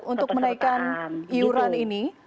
untuk menaikkan iuran ini